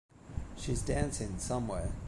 She's dancing somewhere.